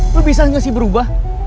lo bisa gak sih berubah